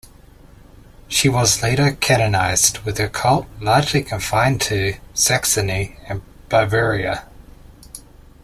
She was later canonized, with her cult largely confined to Saxony and Bavaria.